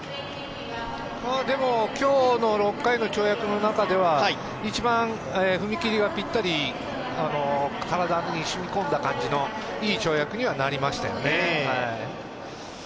でも今日の６回の跳躍の中では一番踏み切りがぴったり体にしみ込んだ感じのいい跳躍にはなりましたよね。